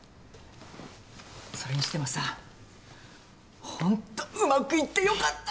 それにしてもさほんとうまくいって良かった！